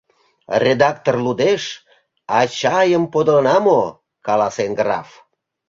Редактор лудеш: «А чайым подылына мо?» — каласен граф...